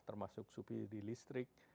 termasuk supi di listrik